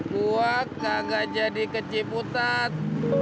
gue kagak jadi keciputat